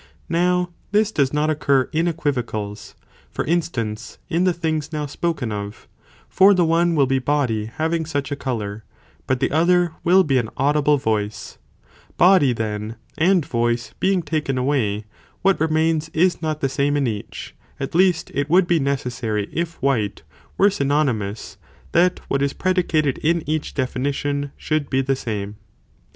* Now this does not white. .:.°° occur in equivocals, for instance, in the things now spoken of, for the one, will be body having such a colour, but the other, will be an audible voice ; body, then, and voice being taken away, what remains is not the same in each, at least it would be necessary if white, were syno '+ Waltzand = nymous, that what is predicated in each (defini Σαΐ τον, tion), should be (the same).